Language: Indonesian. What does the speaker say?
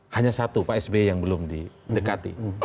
hanya satu pak sby yang belum di dekati